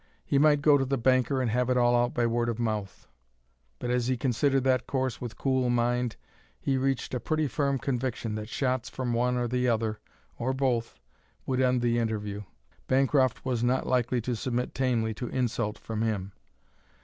He might go to the banker and have it all out by word of mouth. But as he considered that course with cool mind he reached a pretty firm conviction that shots from one or the other, or both, would end the interview. Bancroft was not likely to submit tamely to insult from him.